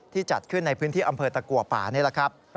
จัดขึ้นในพื้นที่อำเภอตะกัวป่านี่แหละครับ